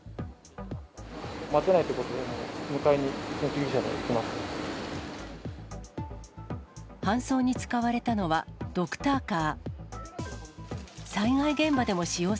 待てないということで、搬送に使われたのは、ドクターカー。